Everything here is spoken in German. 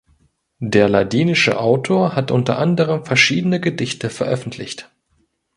Der ladinische Autor hat unter anderem verschiedene Gedichte veröffentlicht.